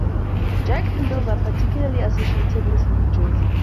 Jughandles are particularly associated with New Jersey.